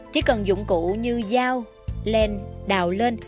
chỉ cần dụng cụ như dao len đào lên